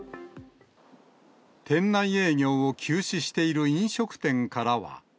店内営業を休止している飲食店からは。